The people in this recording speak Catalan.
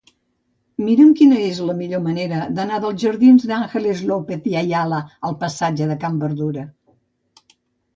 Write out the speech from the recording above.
Mira'm quina és la millor manera d'anar dels jardins d'Ángeles López de Ayala al passatge de Can Berdura.